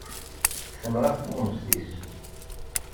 Tenɣa-t tuɣmest-is.